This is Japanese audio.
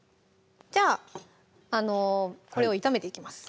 じゃあこれを炒めていきます